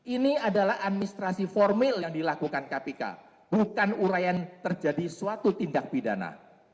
ini adalah administrasi formil yang dilakukan kpk bukan urayan terjadi suatu tindak pidana